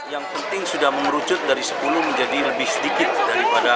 yang penting sudah mengerucut dari sepuluh menjadi lebih sedikit daripada